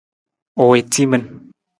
U wii timin.